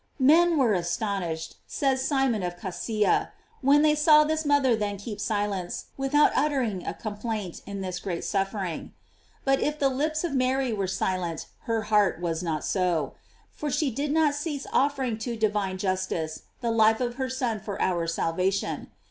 Men were astonished, says Simon of Cassia, when they saw this mother then keep silence, without uttering a complaint in this great suf fering.* But if the lips of Mary were silent, her heart was not so; for she did not cease offering to divine justice the life of her Son for our sal vation.